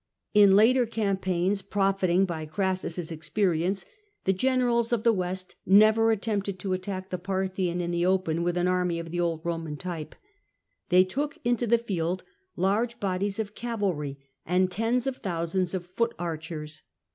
In later campaigns, profit ing by Crassus's experience, the generals of the West never attempted to attack the Parthian in the open with an army of the old Roman type. They took into the field large bodies of cavalry and tens of thousands of foot archers.